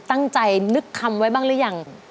ตั้งใจนึกคำไว้บ้างหรือยัง